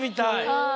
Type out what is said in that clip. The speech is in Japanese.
はい。